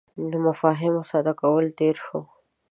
مفاهیمو ساده کولو تېر شو.